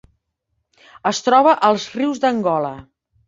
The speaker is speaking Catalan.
Es troba als rius d'Angola.